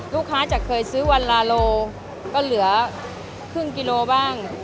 ลูกค้าจะเคยซื้อวันละโลก็เหลือครึ่งกิโลบ้าง